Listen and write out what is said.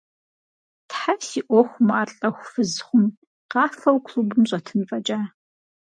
Тхьэ, си ӏуэхум ар лӏэху фыз хъум, къафэу клубым щӏэтын фӏэкӏа…